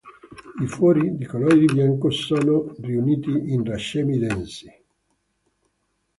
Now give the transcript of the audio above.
I fiori, di colore bianco, sono riuniti in racemi densi.